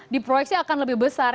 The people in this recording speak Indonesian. di proyeksi akan lebih besar